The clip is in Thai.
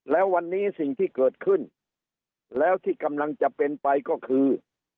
แล้ววันนี้สิ่งที่เกิดขึ้นแล้วที่กำลังจะเป็นไปก็คือ